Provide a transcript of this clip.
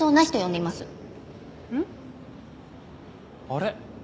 あれ？